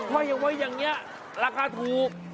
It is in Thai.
เฮ่ยอย่างนี้ราคาถูก